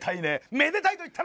めでたいと言ったら。